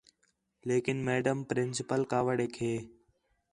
لیکن میڈم پرنسپل کاوڑیک ہے